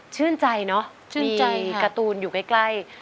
ชื่นใจเนอะมีการ์ตูนอยู่ใกล้